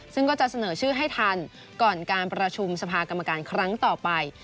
ซึ่งก็จะเสนอชื่อให้ทันก่อนการประชุมสภากรรมการครั้งต่อไป